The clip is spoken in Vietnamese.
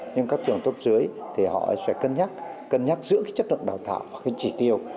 nhưng các trường top dưới thì họ sẽ cân nhắc giữa chất lượng đào tạo và chỉ tiêu